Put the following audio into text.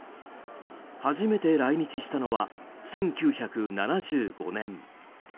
初めて来日したのは１９７５年。